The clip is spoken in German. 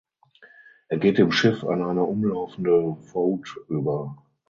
Er geht im Schiff an eine umlaufende Voute über.